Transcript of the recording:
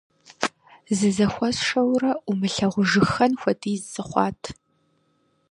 Зызэхуэсшэурэ, умылъагъужыххэн хуэдиз сыхъуат.